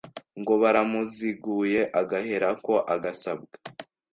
ngo baramuzinguye agaherako agasabwa